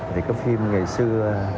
thì có phim ngày xưa